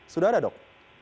sudah ada dok